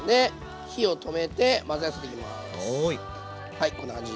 はいこんな感じ。